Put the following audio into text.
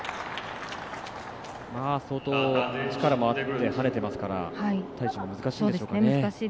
相当力もあって跳ねてますから対処も難しいですかね。